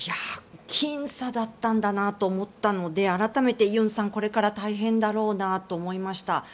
僅差だったんだなと思ったので改めてユンさん、これから大変だろうなと思いました。